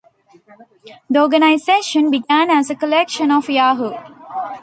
The organization began as a collection of Yahoo!